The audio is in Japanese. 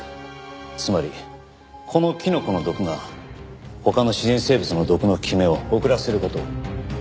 つまりこのキノコの毒が他の自然生物の毒の効き目を遅らせる事を。